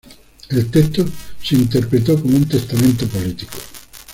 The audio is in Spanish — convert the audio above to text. El texto se interpretó como un "testamento político".